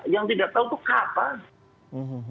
yang tidak tahu itu kapan